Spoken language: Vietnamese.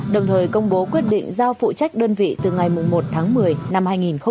đồng thời công bố quyết định giao phụ trách đơn vị từ ngày một tháng một mươi năm hai nghìn một mươi chín